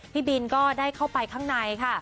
พี่บินก็ได้เข้าไปข้างในค่ะ